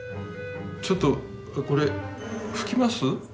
ちょっとこれ拭きます？